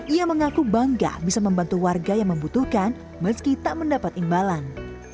ia mengaku bangga bisa membantu warga yang membutuhkan meski tak mendapat imbalan